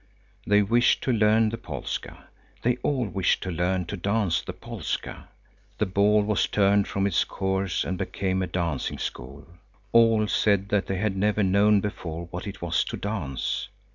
They wished to learn the polska. They all wished to learn to dance the polska. The ball was turned from its course and became a dancing school. All said that they had never known before what it was to dance.